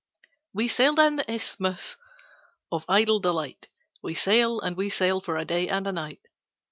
We sail down the Isthmus of Idle Delight— We sail and we sail for a day and a night.